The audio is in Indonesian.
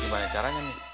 gimana caranya mbak